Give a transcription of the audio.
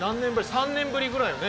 ３年ぶりぐらいだよね。